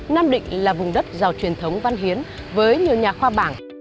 nam định là vùng đất giàu truyền thống văn hiến với nhiều nhà khoa bảng